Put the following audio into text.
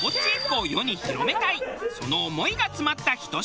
その思いが詰まったひと品。